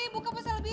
buka pak selby